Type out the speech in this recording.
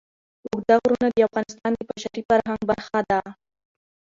اوږده غرونه د افغانستان د بشري فرهنګ برخه ده.